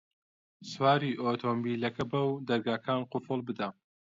سواری ئۆتۆمبێلەکە بە و دەرگاکان قوفڵ بدە.